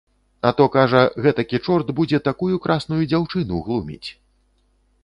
А то, кажа, гэтакі чорт будзе такую красную дзяўчыну глуміць.